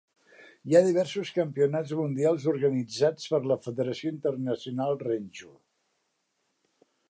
Hi ha diversos campionats mundials organitzats per la Federació Internacional Renju.